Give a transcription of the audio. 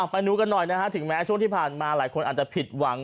ไปดูกันหน่อยนะฮะถึงแม้ช่วงที่ผ่านมาหลายคนอาจจะผิดหวัง